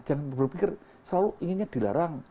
jangan berpikir selalu inginnya dilarang